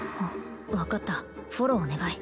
分かったフォローお願い